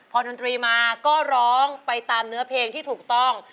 พอดนตรีมาก็ร้องไปตามเนื้อเพลงที่ถูกต้อง